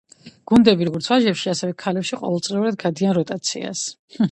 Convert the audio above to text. გუნდები, როგორც ვაჟებში, ასევე ქალებში ყოველწლიურად გადიან როტაციას.